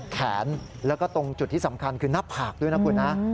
แขนแล้วก็ตรงจุดที่สำคัญคือหน้าผากด้วยนะคุณนะ